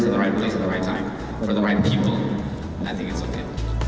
saya pikir ini baik baik saja